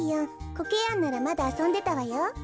コケヤンならまだあそんでたわよ。